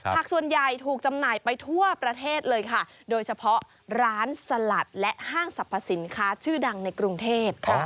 ส่วนใหญ่ถูกจำหน่ายไปทั่วประเทศเลยค่ะโดยเฉพาะร้านสลัดและห้างสรรพสินค้าชื่อดังในกรุงเทพ